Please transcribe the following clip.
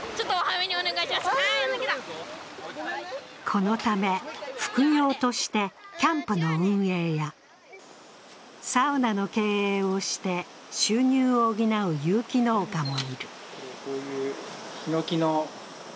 このため、副業としてキャンプの運営やサウナの経営をして収入を補う有機農業も。